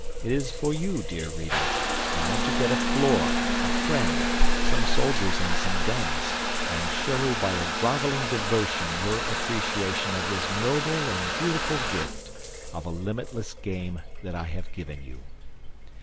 It is for you, dear reader, now to get a floor, a friend, some soldiers and some guns, and show by a grovelling devotion your appreciation of this noble and beautiful gift of a limitless game that I have given you.